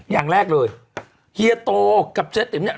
อย่างแรกเลยเฮียโตกับเจ๊ติ๋มเนี่ย